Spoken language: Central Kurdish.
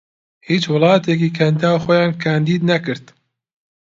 هیچ وڵاتێکی کەنداو خۆیان کاندید نەکرد